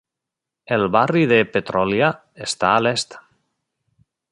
El barri de Petrolia està a l'est.